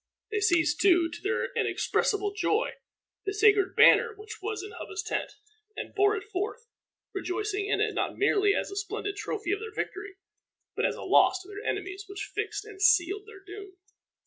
They seized, too, to their inexpressible joy, the sacred banner, which was in Hubba's tent, and bore it forth, rejoicing in it, not merely as a splendid trophy of their victory, but as a loss to their enemies which fixed and sealed their doom.